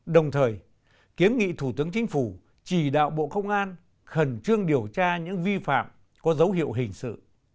đồng thời kiếm nghị thủ tướng chính phủ chỉ đạo bộ công an khẩn trương điều tra những vi phạm có dấu hiệu hình sự